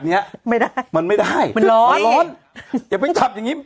เนี้ยไม่ได้มันไม่ได้มันร้อนมันร้อนอย่าไปขับอย่างงี้